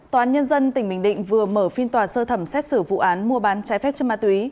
tòa án nhân dân tỉnh bình định vừa mở phiên tòa sơ thẩm xét xử vụ án mua bán trái phép chất ma túy